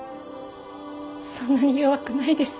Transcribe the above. そんなに弱くないです。